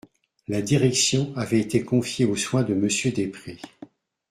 La direction avait été confiée aux soins de Monsieur Després.